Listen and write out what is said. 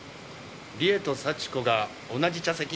理恵と幸子が同じ茶席に？